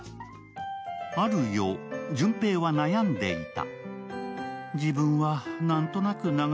ある夜、順平は悩んでいた。